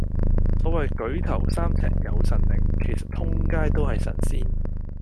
所謂舉頭三尺有神靈，其實通街都係神仙